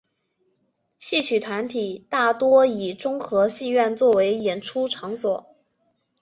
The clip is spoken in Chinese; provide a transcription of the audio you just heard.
戏曲团体大多以中和戏院作为演出场所。